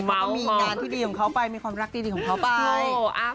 เขามีงานที่ดีของเขาไปมีความรักดีของเขาไป